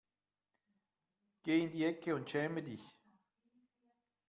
Geh in die Ecke und schäme dich.